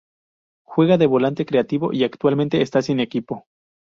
Juega de volante creativo y actualmente está sin equipo.